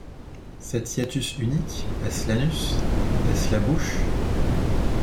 Cet hiatus unique, est-ce l’anus ? est-ce la bouche ?